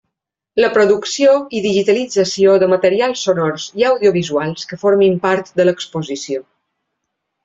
La producció i digitalització de materials sonors i audiovisuals que formin part de l'exposició.